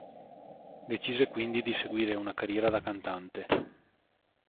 Decise quindi di seguire una carriera da cantante.